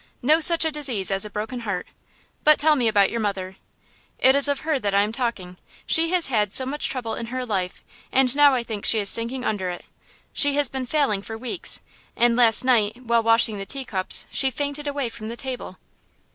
No such a disease as a broken heart. But tell me about your mother." "It is of her that I am talking. She has had so much trouble in her life, and now I think she is sinking under it; she has been failing for weeks, and last night while washing the teacups she fainted away from the table!"